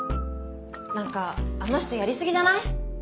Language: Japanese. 何かあの人やり過ぎじゃない？